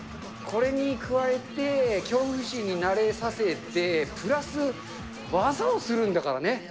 これに加えて、恐怖心に慣れさせてプラス技をするんだからね。